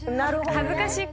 恥ずかしい！